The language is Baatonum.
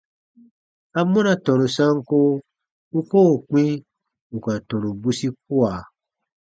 Amɔna tɔnu sanko u koo kpĩ ù ka tɔnu bwisi kua?